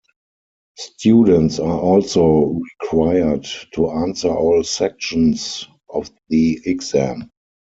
Students are also required to answer all sections of the exam.